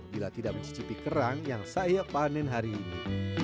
bila tidak mencicipi kerang yang saya panen hari ini